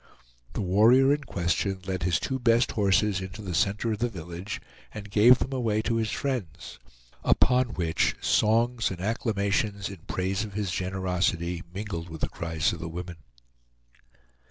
The warrior in question led his two best horses into the center of the village, and gave them away to his friends; upon which songs and acclamations in praise of his generosity mingled with the cries of the women.